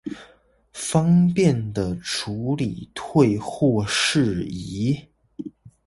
方便地處理退貨事宜